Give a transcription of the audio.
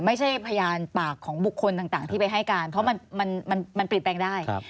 ไม่ใช่พยานปากของบุคคลต่างที่ไปให้การเพราะมันปิดแปลงได้